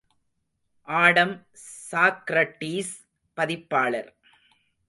Adam Socrates பதிப்பாளர்.